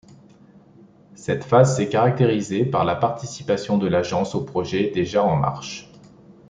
Cette phase s'est caractérisée par la participation de l'Agence aux projets déjà en marche.